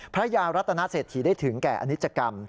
พระยารัตนเศรษฐีได้ถึงแก่อนิจกรรม